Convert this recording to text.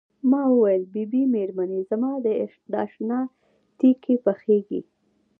ما وویل بي بي مېرمنې زما د اشنا تیکې پخیږي.